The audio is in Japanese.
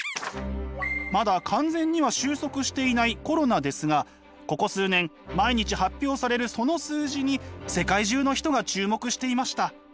まだ完全には収束していないコロナですがここ数年毎日発表されるその数字に世界中の人が注目していました。